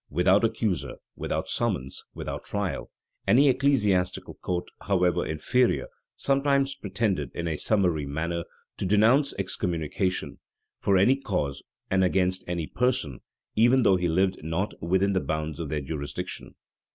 Without accuser, without summons, without trial, any ecclesiastical court, however inferior, sometimes pretended, in a summary manner, to denounce excommunication, for any cause, and against any person, even though he lived not within the bounds of their jurisdiction.